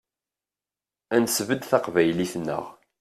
Ad nesbedd taqbaylit-nneɣ.